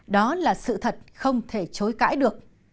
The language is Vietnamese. đó là sự thật không thể chối cãi được